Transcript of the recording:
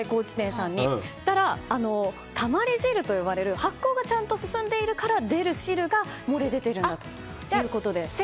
ただ、たまり汁と呼ばれる発酵がちゃんと進んでいるから漏れ出ているんだということで。